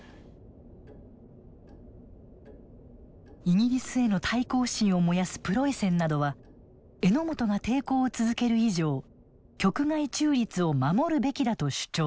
イギリスへの対抗心を燃やすプロイセンなどは榎本が抵抗を続ける以上局外中立を守るべきだと主張。